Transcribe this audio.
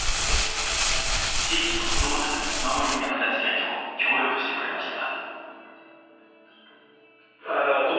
地域の子どもたちの見守りに役立ちたいと協力してくれました。